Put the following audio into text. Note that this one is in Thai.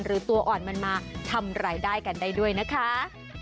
ตัวอ่อนมันมาทำรายได้กันได้ด้วยนะคะ